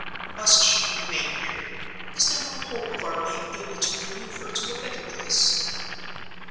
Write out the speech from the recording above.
"Must she remain here? Is there no hope of our being able to remove her to a better place?"